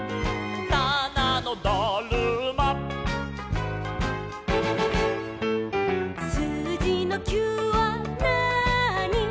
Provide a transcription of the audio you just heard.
「たなのだるま」「すうじの９はなーに」